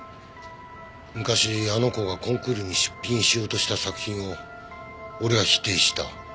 昔あの子がコンクールに出品しようとした作品を俺は否定した。